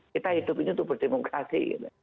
kita hidup ini untuk berdemokrasi